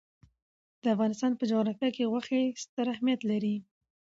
د افغانستان په جغرافیه کې غوښې ستر اهمیت لري.